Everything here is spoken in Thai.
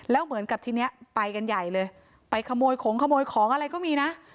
แล้วเหมือนกับทีนี้ไปกันใหญ่เลยไปขโมยของขโมยของอะไรก็มีนะ